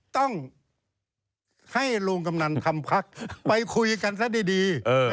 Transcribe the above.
ต้องให้ลุงกำนันทำพักไปคุยกันซะดี